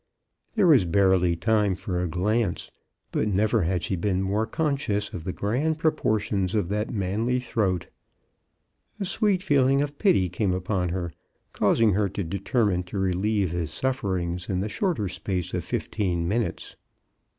There was barely time for a glance, but never had she been more conscious of the grand proportions of that manly throat. A sweet feeling of pity came upon her, causing her to determine to relieve his sufferings in the shorter space of fifteen minutes.